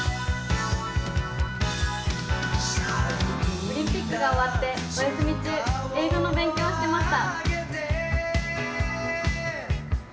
オリンピックが終わってお休み中、英語の勉強をしてました。